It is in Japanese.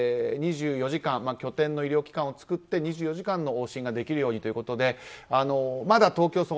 ２４時間拠点の医療機関を作って２４時間の往診ができるようにということでまだ東京